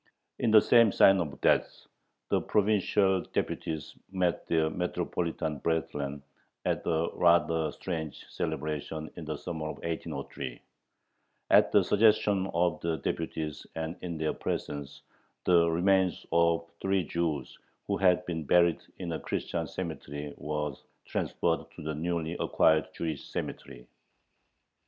In the same sign of death the provincial deputies met their metropolitan brethren at a rather strange "celebration" in the summer of 1803: at the suggestion of the deputies and in their presence the remains of three Jews who had been buried in a Christian cemetery were transferred to the newly acquired Jewish cemetery.